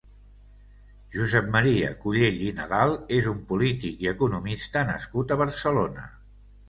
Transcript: Josep Maria Cullell i Nadal és un polític i economista nascut a Barcelona.